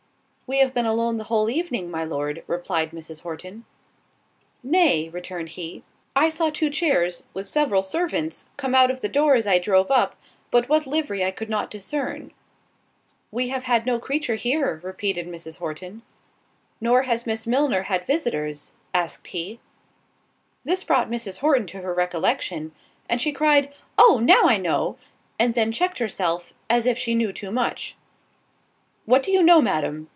"We have been alone the whole evening, my Lord," replied Mrs. Horton. "Nay," returned he, "I saw two chairs, with several servants, come out of the door as I drove up, but what livery I could not discern." "We have had no creature here," repeated Mrs. Horton. "Nor has Miss Milner had visitors?" asked he. This brought Mrs. Horton to her recollection, and she cried, "Oh! now I know;"——and then checked herself, as if she knew too much. "What do you know, Madam?"